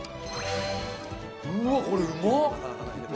うわっ、これ、うまっ！